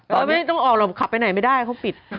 ตอนนี้ต้องออกเราขับไปไหนไม่ได้เขาปิด